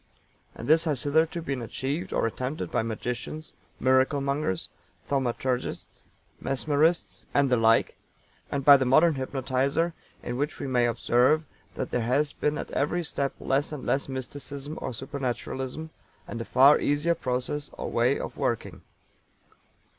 And this has hitherto been achieved or attempted by magicians, "miracle mongers," thaumaturgists, mesmerists, and the like, and by the modern hypnotizer, in which we may observe that there has been at every step less and less mysticism or supernaturalism, and a far easier process or way of working.